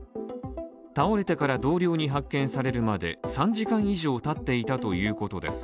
倒れてから同僚に発見されるまで３時間以上経っていたということです。